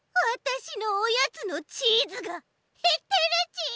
わたしのおやつのチーズがへってるち！